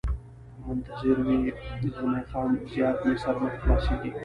به منتظر وي، زلمی خان: زیات مې سر نه په خلاصېږي.